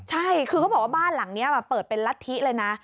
ใช่คือเขาบอกว่าบ้านหลังนี้เปิดเป็นรัฐธิเลยนะ